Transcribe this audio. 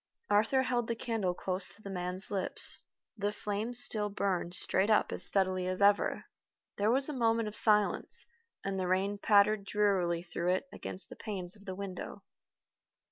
Arthur held the candle close to the man's lips. The flame still burned straight up as steadily as ever. There was a moment of silence, and the rain pattered drearily through it against the panes of the window.